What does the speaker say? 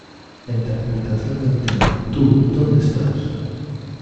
La interpretación del tema "Tú ¿Dónde estás?